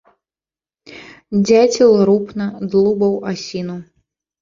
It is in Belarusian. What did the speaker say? Дзяцел рупна длубаў асіну.